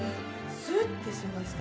スッてしました。